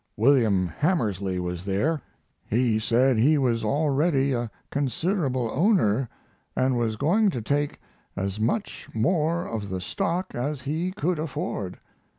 William Hamersley was there. He said he was already a considerable owner, and was going to take as much more of the stock as he could afford.